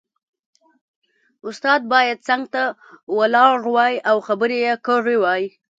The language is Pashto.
استاد باید څنګ ته ولاړ وای او خبرې یې کړې وای